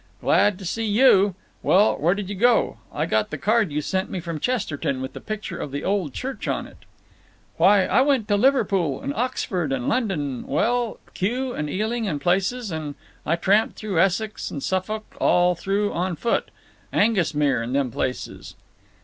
"Glad see you. Well, where did you go? I got the card you sent me from Chesterton with the picture of the old church on it." "Why, I went to Liverpool and Oxford and London and—well—Kew and Ealing and places and—And I tramped through Essex and Suffolk—all through—on foot. Aengusmere and them places."